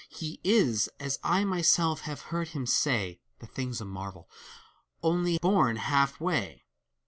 He is, as I myself have heard him say, (The thing's a marvel!) only bom half way.